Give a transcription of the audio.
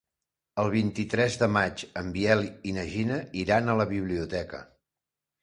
El vint-i-tres de maig en Biel i na Gina iran a la biblioteca.